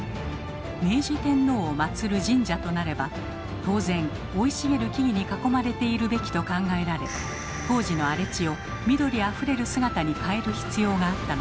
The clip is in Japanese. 明治天皇を祀る神社となれば当然生い茂る木々に囲まれているべきと考えられ当時の荒れ地を緑あふれる姿に変える必要があったのです。